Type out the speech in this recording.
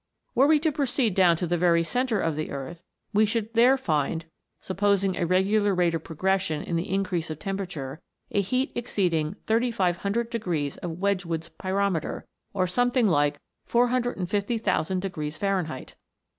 Were we to proceed down to the very centre of the earth, we should there find, supposing a regular rate of progression in the increase of temperature, a heat exceeding 3500 degrees of Wedgewood's pyrometer, or something like 450,000 degrees Fahrenheit!